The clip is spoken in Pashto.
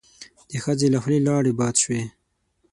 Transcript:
د ښځې له خولې لاړې باد شوې.